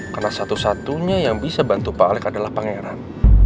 karena satu satunya yang bisa bantu pak alex adalah pangeran